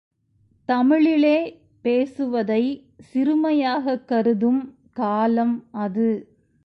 தமிழிலே பேசுவதை சிறுமையாகக் கருதும் காலம் அது.